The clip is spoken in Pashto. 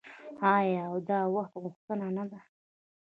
آیا او د وخت غوښتنه نه ده؟